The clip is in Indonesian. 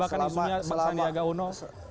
bahkan isunya maksan diaga uno